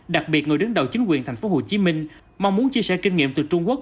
đặc biệt người đứng đầu chính quyền tp hcm mong muốn chia sẻ kinh nghiệm từ trung quốc